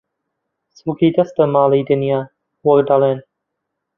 «چڵکی دەستە ماڵی دنیا» وەک دەڵێن